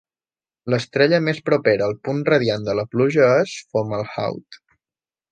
L'estrella més propera al punt radian de la pluja és Fomalhaut.